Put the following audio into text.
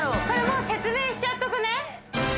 もう説明しちゃっとくね。